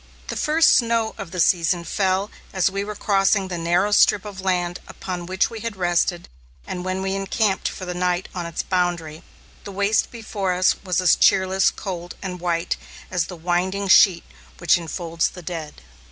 The first snow of the season fell as we were crossing the narrow strip of land upon which we had rested and when we encamped for the night on its boundary, the waste before us was as cheerless, cold, and white as the winding sheet which enfolds the dead.